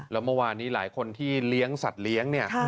แล้วเมื่อวานนี้หลายคนที่เลี้ยงสัตว์เลี้ยงเนี่ย